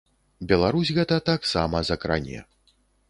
Беларусь гэта таксама закране.